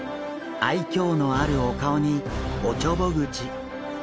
愛嬌のあるお顔におちょぼ口。